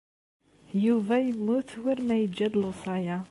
Yuba yemmut war ma yejja-d lewṣaya.